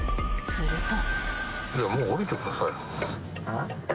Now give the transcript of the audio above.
すると。